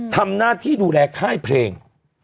ทำหน้าที่ดูแลค่ายเพลง